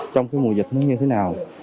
trong mùa dịch nó như thế nào